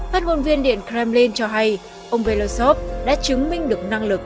phát ngôn viên điện kremlin cho hay ông belosov đã chứng minh được năng lực